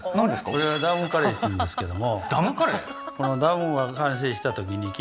これはダムカレーっていうんですけどもダムカレー？